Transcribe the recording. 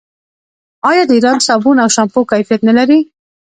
آیا د ایران صابون او شامپو کیفیت نلري؟